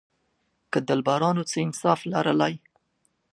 که دلبرانو څه انصاف لرلای.